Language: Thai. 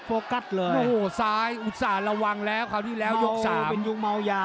โอ้โหซ้ายอุตส่าห์ระวังแล้วคราวที่แล้วยก๓